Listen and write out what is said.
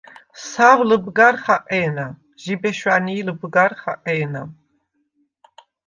სავ ლჷბგარ ხაყე̄ნა, ჟიბე შვანი̄ ლჷბგარ ხაყე̄ნა.